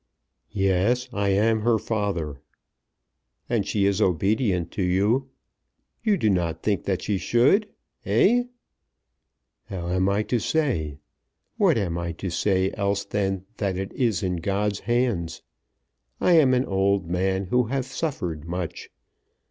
"Yes, I am her father." "And she is obedient to you. You do not think that she should ? Eh?" "How am I to say? What am I to say else than that it is in God's hands? I am an old man who have suffered much.